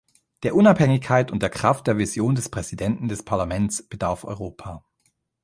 Der Unabhängigkeit und der Kraft der Vision des Präsidenten des Parlaments bedarf Europa.